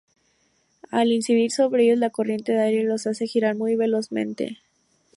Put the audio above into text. Al incidir sobre ellos la corriente de aire los hace girar muy velozmente.